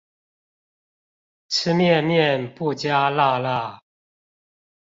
吃麵麵不加辣辣